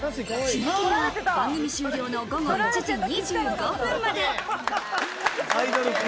締め切りは番組終了の午後１時２５分まで。